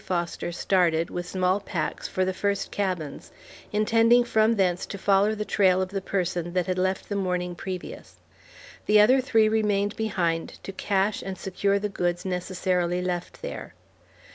Foster started, with small packs, for the first cabins, intending from thence to follow the trail of the person that had left the morning previous. The other three remained behind to cache and secure the goods necessarily left there.